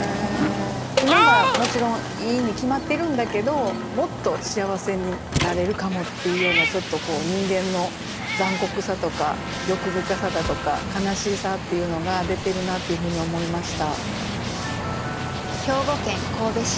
今がもちろんいいに決まってるんだけどもっと幸せになれるかもっていうようなちょっと人間の残酷さとか欲深さだとか悲しさっていうのが出てるなっていうふうに思いました。